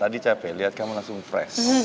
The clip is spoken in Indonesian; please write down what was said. jadi capek lihat kamu langsung fresh